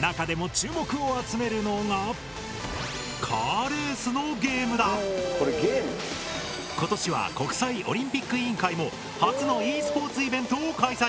中でも注目を集めるのが今年は国際オリンピック委員会も初のｅスポーツイベントを開催。